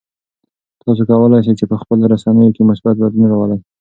تاسو کولای شئ چې په خپلو رسنیو کې مثبت بدلون راولئ.